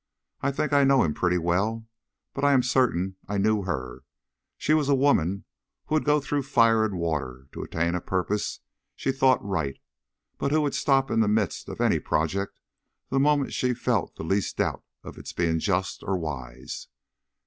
I think I know him pretty well, but I am certain I knew her. She was a woman who would go through fire and water to attain a purpose she thought right, but who would stop in the midst of any project the moment she felt the least doubt of its being just or wise.